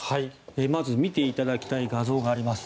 まず見ていただきたい画像があります。